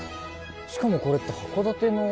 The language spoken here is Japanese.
しかもこれって函館の。